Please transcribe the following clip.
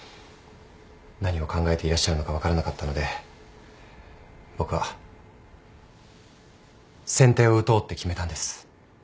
何を考えていらっしゃるのか分からなかったので僕は先手を打とうって決めたんです。